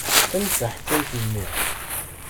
Ḥkan-d taḥkayt-nni.